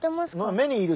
目にいる。